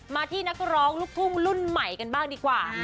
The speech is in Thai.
มาที่นักร้องลูกทุ่งรุ่นใหม่กันบ้างดีกว่า